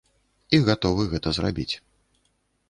І гатовы гэта зрабіць.